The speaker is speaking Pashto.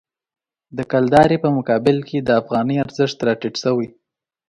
د کلدارې په مقابل کې د افغانۍ ارزښت راټیټ شوی.